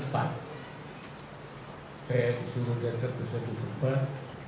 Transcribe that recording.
saya disuruh datang ke satu tempat